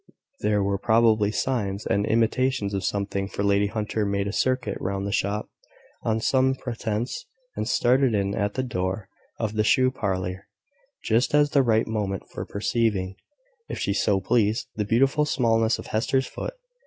There were probably signs and intimations of something; for Lady Hunter made a circuit round the shop, on some pretence, and stared in at the door of the shoe parlour, just at the right moment for perceiving, if she so pleased, the beautiful smallness of Hester's foot.